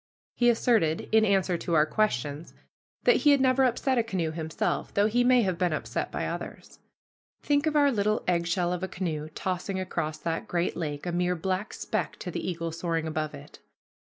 He asserted, in answer to our questions, that he had never upset a canoe himself, though he may have been upset by others. Think of our little eggshell of a canoe tossing across that great lake, a mere black speck to the eagle soaring above it!